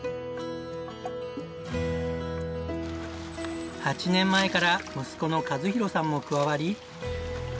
今から８年前から息子の和洋さんも加わり。